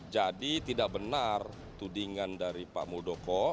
jadi tidak benar tudingan dari pak mudoko